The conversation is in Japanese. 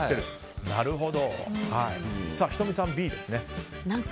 仁美さん、Ｂですね。